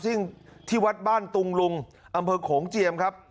ซึ่งที่วัดบ้านตุงลุงอำเภอโขงเจียมครับ